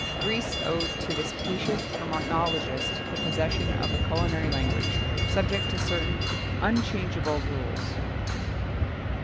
[XXII 14] Greece owed to this patient terminologist the possession of a culinary language, subject to certain unchangeable rules.